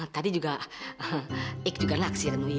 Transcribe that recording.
tadi juga ik juga ngaksirin wiyo